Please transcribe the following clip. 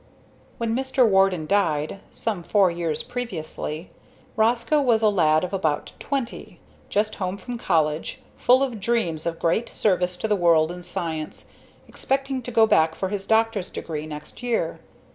When Mr. Warden died, some four years previously, Roscoe was a lad of about twenty, just home from college, full of dreams of great service to the world in science, expecting to go back for his doctor's degree next year.